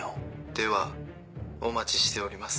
ではお待ちしております。